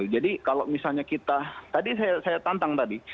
jadi kalau misalnya kita tadi saya tantang tadi